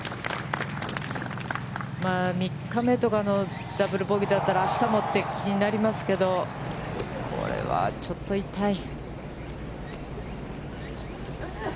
３日目とかのダブル・ボギーだったら、あしたも、って気になりますけど、これはちょっと痛い。